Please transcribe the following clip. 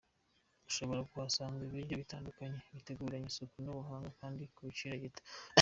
Ushobora kuhasanga ibiryo bitandukanye biteguranywe isuku n’ubuhanga kandi ku giciro gito.